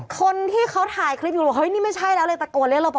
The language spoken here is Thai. คนที่เขาถ่ายคลิปอยู่บอกเฮ้ยนี่ไม่ใช่แล้วเลยตะโกนเรียกรอป